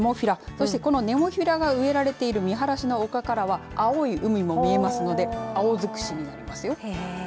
そして、このネモフィラが植えられているみはらしの丘からは青い海も見えますので青づくしになりますよ。